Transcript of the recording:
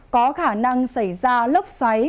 có khả năng xảy ra lốc xoáy